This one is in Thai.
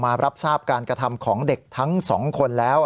รับทราบการกระทำของเด็กทั้งสองคนแล้ว